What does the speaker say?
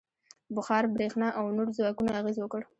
• بخار، برېښنا او نورو ځواکونو اغېز وکړ.